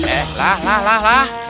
eh lah lah lah lah